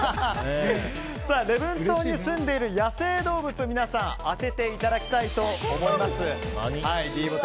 礼文島に住んでいる野生動物を当てていただきたいと思います。